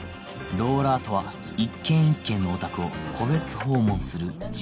ローラーとは一軒一軒のお宅を個別訪問する地道な作業